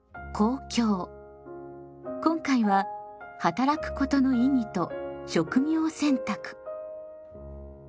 今回は「働くことの意義と職業選択」。